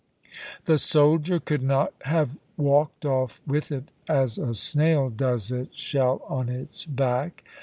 The soldier could not have walked off with it as a snail does its shell on its back.